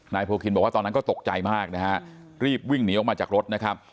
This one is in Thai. โพคินบอกว่าตอนนั้นก็ตกใจมากนะฮะรีบวิ่งหนีออกมาจากรถนะครับ